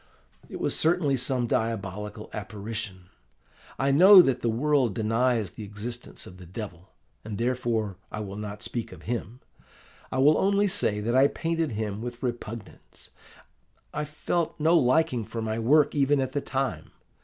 It was certainly some diabolical apparition. I know that the world denies the existence of the Devil, and therefore I will not speak of him. I will only say that I painted him with repugnance: I felt no liking for my work, even at the time.